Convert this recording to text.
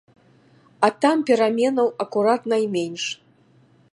А там пераменаў акурат найменш.